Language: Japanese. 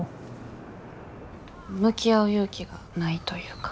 向き合う勇気がないというか。